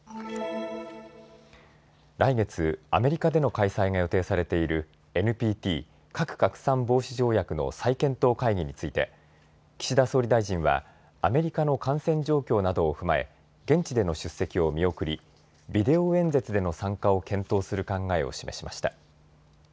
来月、アメリカでの開催が予定されているＮＰＴ・核拡散防止条約の再検討会議について岸田総理大臣はアメリカの感染状況などを踏まえ現地での出席を見送りビデオ演説での参加を検討する考えを示しました。